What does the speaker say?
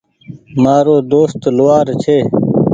مآرو دوست لوهآر ڇي۔